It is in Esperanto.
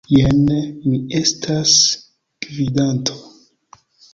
Jen, mi estas gvidanto.